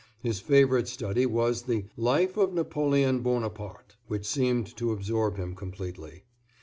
His favorite study was the "Life of Napoleon Buonaparte," which seemed to absorb him completely.